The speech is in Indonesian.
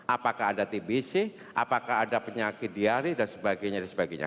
apakah ada tbc apakah ada penyakit diari dan sebagainya